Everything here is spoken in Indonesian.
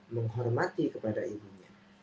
menghormati kepada ibunya